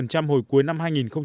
hồi cuối năm hai nghìn một mươi tám